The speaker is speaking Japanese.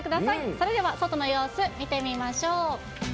それでは外の様子見てみましょう。